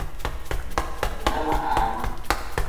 Dalahra ma.